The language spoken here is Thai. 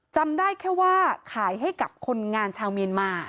จำได้แค่ว่าขายให้กับคนงานชาวเมียนมา